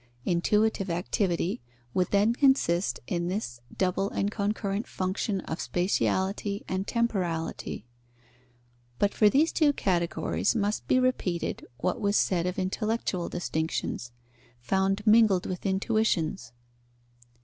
Intuitive activity would then consist in this double and concurrent function of spatiality and temporality. But for these two categories must be repeated what was said of intellectual distinctions, found mingled with intuitions.